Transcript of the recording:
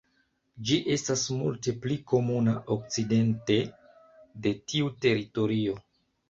Ĝi estas multe pli komuna okcidente de tiu teritorio.